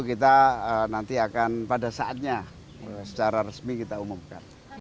ia akan pada saatnya secara resmi kita umumkan